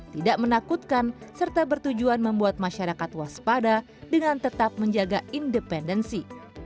tidak menakutkan serta bertujuan membuat masyarakat waspada dengan tetap menjaga independensi